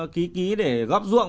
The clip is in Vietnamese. ký ký để góp ruộng